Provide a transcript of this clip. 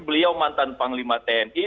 beliau mantan panglima tni